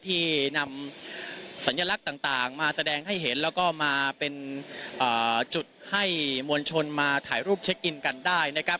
ที่นำสัญลักษณ์ต่างมาแสดงให้เห็นแล้วก็มาเป็นจุดให้มวลชนมาถ่ายรูปเช็คอินกันได้นะครับ